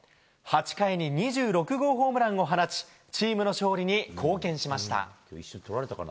８回に２６号ホームランを放ち、チームの勝利に貢献しました。